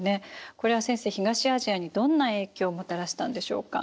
これは先生東アジアにどんな影響をもたらしたんでしょうか？